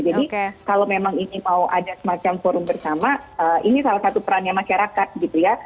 jadi kalau memang ini mau ada semacam forum bersama ini salah satu perannya masyarakat gitu ya